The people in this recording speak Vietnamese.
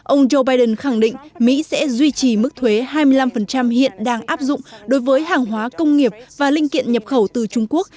ông joe biden khẳng định mỹ sẽ duy trì mức thuế hai mươi năm hiện đang áp dụng đối với hàng hóa công nghiệp và linh kiện nhập khẩu từ trung quốc